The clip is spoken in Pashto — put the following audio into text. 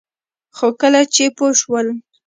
خو کله چې پوه شول